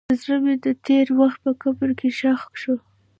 زړه مې د تېر وخت په قبر کې ښخ شو.